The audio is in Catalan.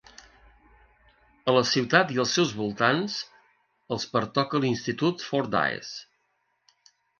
A la ciutat i els seus voltants els pertoca l'Institut Fordyce.